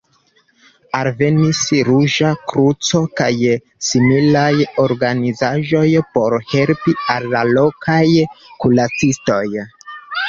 Alvenis Ruĝa Kruco kaj similaj organizaĵoj por helpi al la lokaj kuracistoj.